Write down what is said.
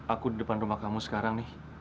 aku di depan rumah kamu sekarang nih